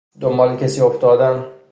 دنبال کسی افتادن